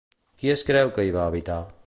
Qui es creu que hi va habitar?